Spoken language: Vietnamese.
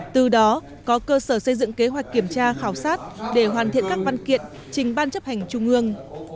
từ đó có cơ sở xây dựng kế hoạch kiểm tra khảo sát để hoàn thiện các văn kiện trình ban chấp hành trung ương